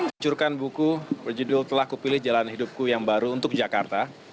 mencurkan buku berjudul telah kupilih jalan hidupku yang baru untuk jakarta